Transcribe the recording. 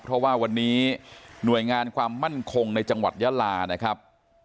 เพราะว่าวันนี้หน่วยงานความมั่นคงในจังหวัดยาลานะครับ